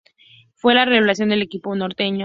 Fue la revelación del equipo norteño.